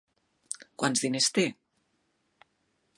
Quants diners té?